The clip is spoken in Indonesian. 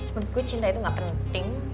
menurut gue cinta itu gak penting